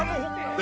え！